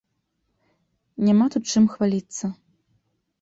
Няма тут чым хваліцца.